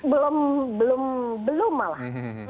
belum belum belum malah